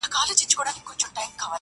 • چي پخپله څوک په ستونزه کي اخته وي -